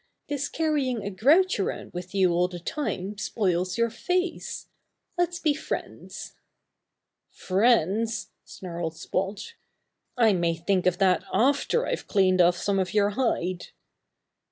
This carrying a grouch around with you all the time spoils your face. Let's be friends." "Friends!" snarled Spot. "I may think of that after I've clawed off some of your hide!"